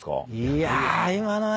いや。